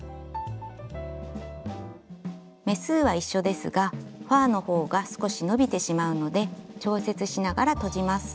目数は一緒ですがファーのほうが少し伸びてしまうので調節しながらとじます。